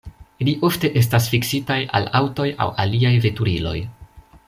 Ili ofte estas fiksitaj al aŭtoj aŭ aliaj veturiloj.